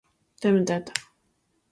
Then she won again the very next week.